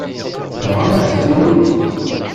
Tebɣam ad as-tinim?